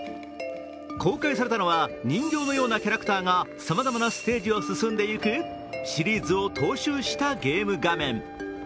公開されたのは人形のようなキャラクターがさまざまなステージを進んでいくシリーズを踏襲したゲーム画面。